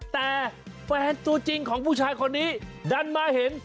แต่แฟนตัวจริงของผู้ชายคนนี้ดันมาเห็น